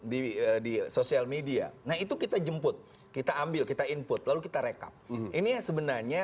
di di sosial media nah itu kita jemput kita ambil kita input lalu kita rekap ini sebenarnya